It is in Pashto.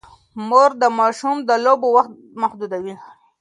مور د ماشوم د لوبو وخت محدودوي.